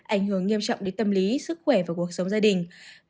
ảnh hưởng nghiêm trọng đến tâm lý sức khỏe và cuộc sống gia đình